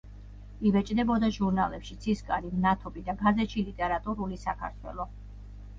იბეჭდებოდა ჟურნალებში „ცისკარი“, „მნათობი“ და გაზეთში „ლიტერატურული საქართველო“.